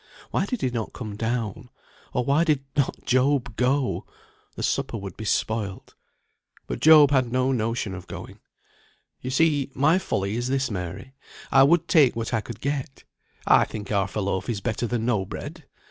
Why did he not come down? Or why did not Job go? The supper would be spoilt. But Job had no notion of going. "You see my folly is this, Mary. I would take what I could get; I think half a loaf is better than no bread.